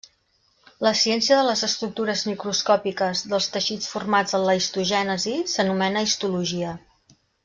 La ciència de les estructures microscòpiques dels teixits formats en la histogènesi s'anomena histologia.